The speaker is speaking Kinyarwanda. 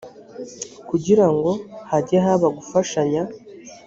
kugirango hajye haba gufashanya